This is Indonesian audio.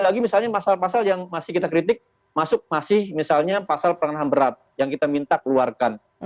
jadi misalnya pasal pasal yang masih kita kritik masuk masih misalnya pasal perangahan berat yang kita minta keluarkan